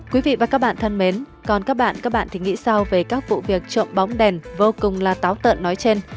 quý vị và các bạn thân mến còn các bạn các bạn thì nghĩ sao về các vụ việc trộm bóng đèn vô cùng là táo tợn nói trên